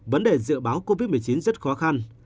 vấn đề dự báo covid một mươi chín rất khó khăn